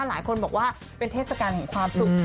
หลายคนบอกว่าเป็นเทศกาลแห่งความสุข